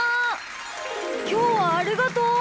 きょうはありがとう！